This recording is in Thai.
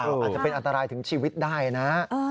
อาจจะเป็นอันตรายถึงชีวิตได้นะ